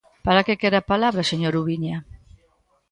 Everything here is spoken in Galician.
¿Para que quere a palabra, señor Ubiña?